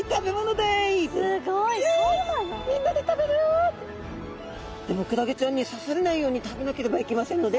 でもクラゲちゃんにさされないように食べなければいけませんので。